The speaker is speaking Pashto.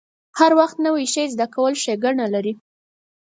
هر وخت ډیر نوی شی زده کول ښېګڼه لري.